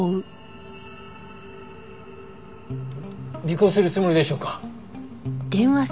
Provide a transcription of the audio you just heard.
尾行するつもりでしょうか？